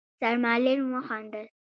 سرمعلم وخندل: